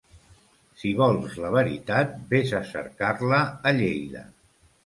Si vols la veritat, ves a cercar-la a Lleida.